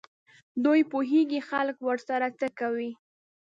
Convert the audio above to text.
دوی پوهېږي خلک ورسره څه کوي.